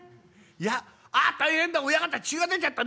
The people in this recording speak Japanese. やあっ大変だ親方血が出ちゃった！